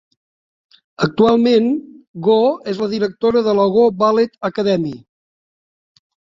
Actualment, Goh és la directora de la Goh Ballet Academy.